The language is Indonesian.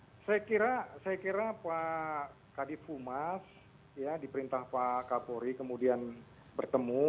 oh iya saya kira saya kira pak kadif fumas ya di perintah pak kapuri kemudian bertemu